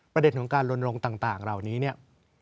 ประเด็นของการลนรงต่างเหล่านี้